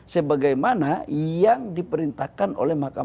sebagaimana yang diperintahkan oleh mahkamah